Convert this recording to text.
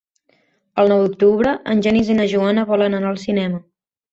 El nou d'octubre en Genís i na Joana volen anar al cinema.